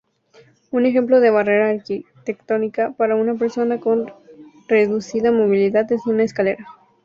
Un ejemplo de barrera arquitectónica para una persona con reducida movilidad es una escalera.